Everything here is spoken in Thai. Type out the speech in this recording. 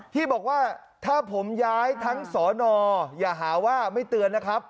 ที่บอกว่าถ้าผมย้ายทั้งสอนออย่าหาว่าไม่เตือนนะครับ